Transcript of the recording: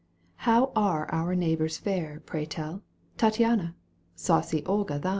How are our neighbours fair, pray tell, Tattiana, saucy Olga thine